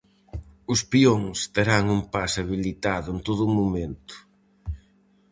Os peóns terán un paso habilitado en todo momento.